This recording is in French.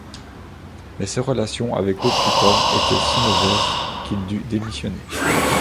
Mais ses relations avec l’occupant étaient si mauvaises qu’il dut démissionner.